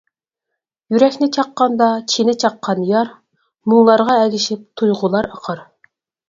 يۈرەكنى چاققاندا چىنە چاققان يار، مۇڭلارغا ئەگىشىپ تۇيغۇلار ئاقار.